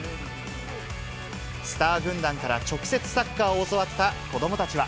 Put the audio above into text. スター軍団から直接サッカーを教わった子どもたちは。